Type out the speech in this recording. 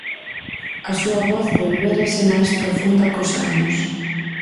A súa voz volvérase máis profunda cos anos.